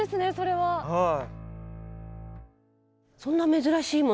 はい。